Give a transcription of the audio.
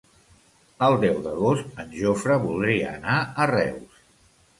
El deu d'agost en Jofre voldria anar a Reus.